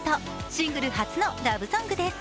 シングル初のラブソングです。